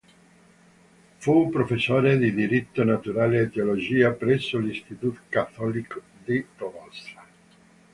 Fu professore di diritto naturale e teologia presso l"'Institut catholique" di Tolosa.